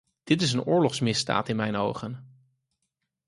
Dit is een oorlogsmisdaad in mijn ogen.